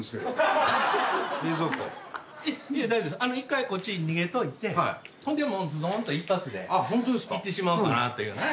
１回こっち逃げといてほんでもうズドンと一発でいってしまおうかなというね。